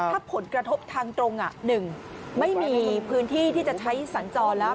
ถ้าผลกระทบทางตรง๑ไม่มีพื้นที่ที่จะใช้สัญจรแล้ว